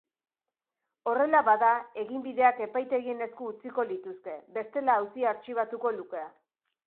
Horrela bada, eginbideak epaitegien esku utziko lituzke, bestela auzia artxibatuko luke.